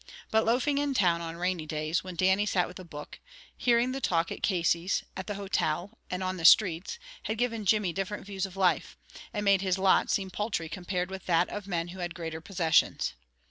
But loafing in town on rainy days, when Dannie sat with a book; hearing the talk at Casey's, at the hotel, and on the streets, had given Jimmy different views of life, and made his lot seem paltry compared with that of men who had greater possessions.